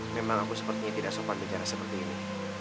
memang aku sepertinya tidak sempat bicara seperti ini